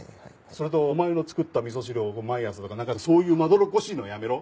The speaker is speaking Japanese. それとお前の作った味噌汁を毎朝とかなんかそういうまどろっこしいのはやめろ。